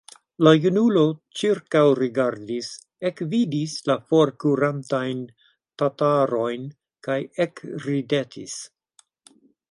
La junulo ĉirkaŭrigardis, ekvidis la forkurantajn tatarojn kaj ekridetis.